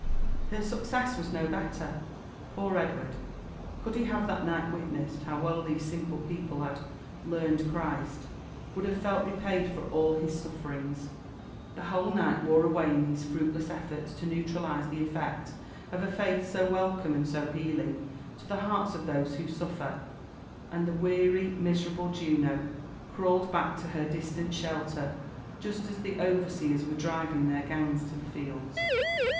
Her success was no belter. Poor Edward, could he have that night witnessed how well these simple people had '' learned Christ," would have felt repaid for all his sufferings! The whole night wore away in these fruitless eflbrts to neutralize the effect of a faith so welcome and so healing to the hearts of those who suffer; and the weary,. miserable Juno crawled back to her distant shelter just as the overseers were driving their gangs to the fields.